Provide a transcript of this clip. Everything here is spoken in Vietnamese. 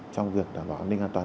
trong việc đảm bảo an ninh an toàn